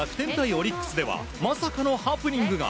オリックスではまさかのハプニングが。